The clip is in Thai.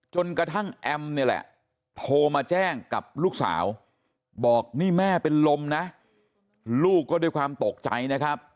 จนกระทั่งแอมเนี่ยแหละโทรมาแจ้งกับลูกสาวบอกนี่แม่เป็นลมนะลูกก็ด้วยความตกใจนะครับ